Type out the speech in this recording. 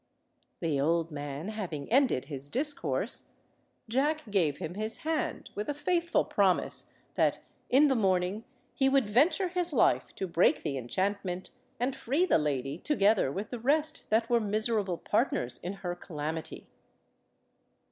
The old man having ended his discourse, Jack gave him his hand, with a faithful promise that in the morning he would venture his life to break the enchantment and free the lady, together with the rest that were miserable partners in her calamity.